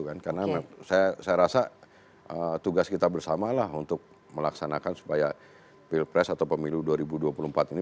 karena saya rasa tugas kita bersamalah untuk melaksanakan supaya pilpres atau pemilu dua ribu dua puluh empat ini